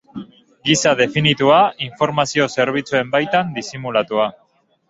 Gisa definitua, informazio zerbitzuen baitan disimulatua.